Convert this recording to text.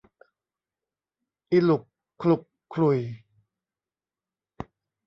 อีหลุกขลุกขลุ่ย